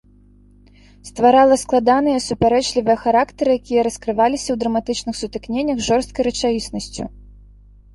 Стварала складаныя, супярэчлівыя характары, якія раскрываліся ў драматычных сутыкненнях з жорсткай рэчаіснасцю.